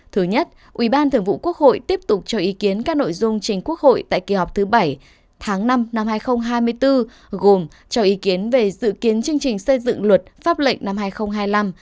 thứ nhất ủy ban thường vụ quốc hội tiếp tục cho ý kiến các nội dung chính quốc hội tại kỳ họp thứ bảy tháng năm năm hai nghìn hai mươi bốn gồm cho ý kiến về dự kiến chương trình xây dựng luật pháp lệnh năm hai nghìn hai mươi năm